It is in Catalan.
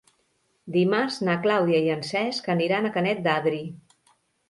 Dimarts na Clàudia i en Cesc aniran a Canet d'Adri.